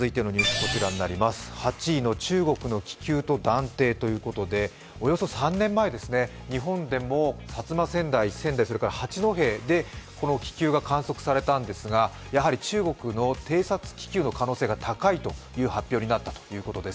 こちらになります８位の中国の気球断定ということでおよそ３年前、日本でも薩摩川内、八戸でこの気球が観測されたんですが、やはり中国の偵察気球の可能性が高いという発表になったということです。